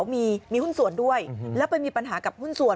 เขามีมีหุ้นส่วนด้วยและเป็นมีปัญหากับหุ้นส่วน